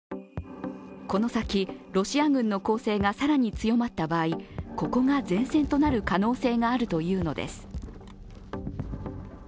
この先、ロシア軍の攻勢が更に強まった場合、ここが前線となる可能性があるというのです。